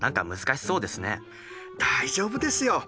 大丈夫ですよ。